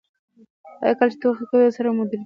ایا کله چې ټوخی کوئ سر مو دردیږي؟